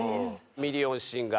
ミリオンシンガー』